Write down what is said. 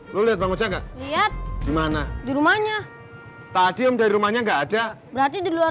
lu lihat banget enggak lihat gimana di rumahnya tadi udah rumahnya enggak ada berarti di luar